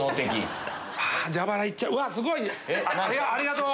ありがとう！